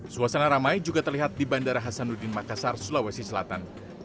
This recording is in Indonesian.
suasana ramai juga terlihat di bandara hasanuddin makassar sulawesi selatan